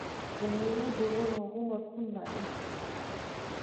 د میوو د ونو عمر څومره دی؟